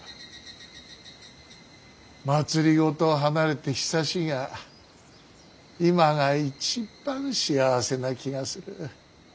政を離れて久しいが今が一番幸せな気がする。